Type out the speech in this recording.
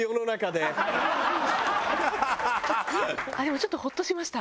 でもちょっとホッとしました。